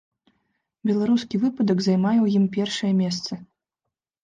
Беларускі выпадак займае ў ім першае месца.